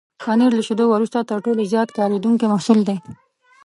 پنېر له شيدو وروسته تر ټولو زیات کارېدونکی محصول دی.